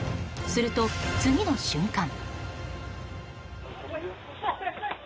すると、次の瞬間。